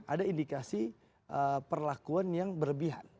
ada indikasi perlakuan yang berlebihan